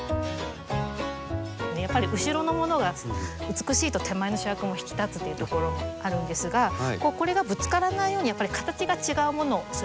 やっぱり後ろのものが美しいと手前の主役も引き立つっていうところもあるんですがこれがぶつからないようにやっぱり形が違うものをそれぞれ選んでます。